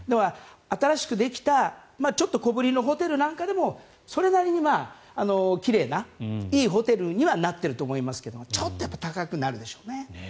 新しくできたちょっと小ぶりのホテルなんかでもそれなりに奇麗ないいホテルにはなっていると思いますけどちょっとやっぱり高くはなるでしょうね。